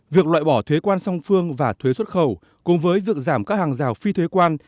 việc loại bỏ thuế quan song phương và thuế xuất khẩu cùng với việc giảm các hàng rào phi thuế quan